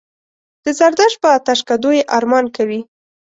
د زردشت په آتشکدو یې ارمان کوي.